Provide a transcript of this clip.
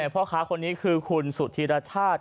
พ่อค้าคนนี้คือคุณสุธีรชาติ